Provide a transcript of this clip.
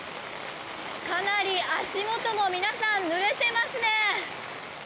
かなり足元も皆さんぬれていますね。